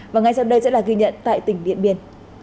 và ngay sau đây sẽ là ghi nhận tại tỉnh điện biên